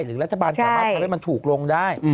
หรือรัฐบาลสามารถทำให้มันถูกลงได้